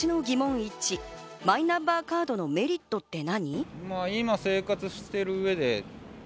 １、マイナンバーカードのメリットって何？